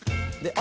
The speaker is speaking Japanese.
あ！